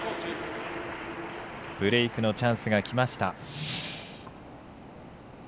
ブレークのチャンスがきました。